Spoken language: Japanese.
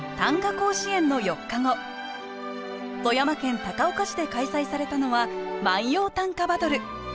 甲子園の４日後富山県高岡市で開催されたのは万葉短歌バトル。